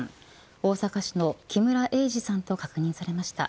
大阪市の木村英二さんと確認されました。